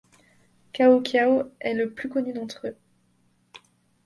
Khao Khiaw est le plus connu d'entre eux.